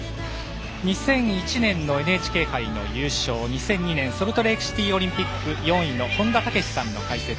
２００１年のＮＨＫ杯優勝２００２年ソルトレークシティーオリンピック４位の本田武史さんの解説。